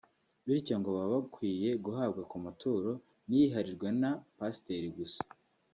bityo ngo baba bakwiye guhabwa ku maturo ntiyiharirwe na pasiteri gusa